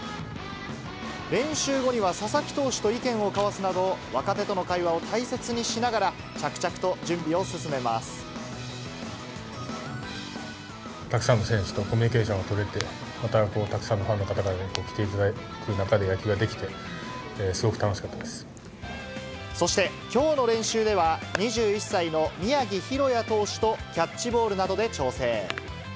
練習後には、佐々木投手と意見を交わすなど、若手との会話を大切にしながら、たくさんの選手とコミュニケーションを取れて、またたくさんのファンの方から来ていただく中で野球ができて、そして、きょうの練習では、２１歳の宮城大弥投手とキャッチボールなどで調整。